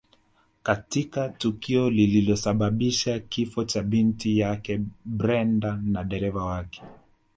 Katika tukio lililosababisha kifo cha binti yake Brenda na dereva wake